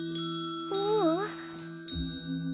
ううん。